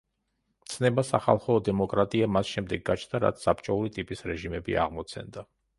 ცნება სახალხო დემოკრატია მას შემდეგ გაჩნდა რაც საბჭოური ტიპის რეჟიმები აღმოცენდა.